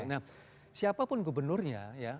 nah siapapun gubernurnya ya